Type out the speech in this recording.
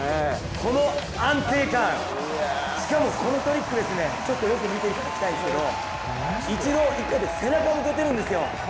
この安定感、しかもこのトリック、ちょっとよく見ていきたいんですけど一度、背中を向けているんですよ。